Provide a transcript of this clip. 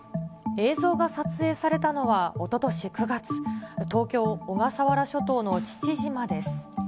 映像が撮影されたのはおととし９月、東京・小笠原諸島の父島です。